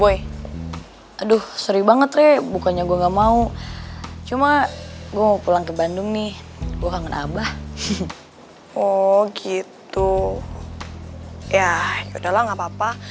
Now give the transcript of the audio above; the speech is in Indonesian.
ya yaudahlah gapapa